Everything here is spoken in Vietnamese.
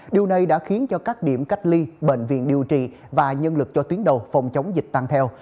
điều này đã khiến cho các điểm cách ly bệnh viện điều trị và nhân lực cho tuyến đầu phòng chống dịch tăng theo